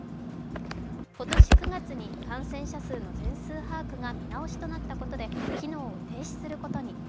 今年９月に感染者数の全数把握が見直しとなったことで機能を停止することに。